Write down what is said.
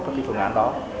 các cái phương án đó